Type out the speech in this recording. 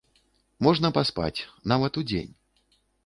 Можна паспаць, нават удзень!